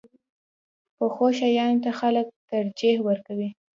پخو شیانو ته خلک ترجیح ورکوي